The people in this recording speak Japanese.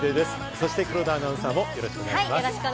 そして黒田アナウンサーもよろしくお願いします。